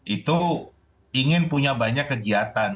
itu ingin punya banyak kegiatan